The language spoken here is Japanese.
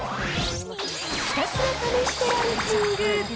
ひたすら試してランキング。